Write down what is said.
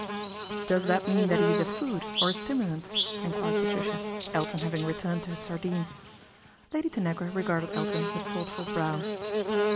" Does that mean that he is a food or a stimu lant ?" enquired Patricia, Elton having returned to his sardine. Lady Tanagra regarded Elton with thoughtful brow.